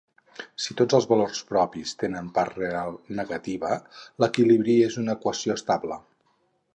Si tots els valors propis tenen part real negativa, l'equilibri és una equació estable.